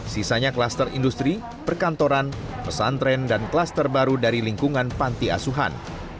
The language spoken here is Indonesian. sisanya kluster industri perkantoran pesantren dan klaster baru dari lingkungan panti asuhan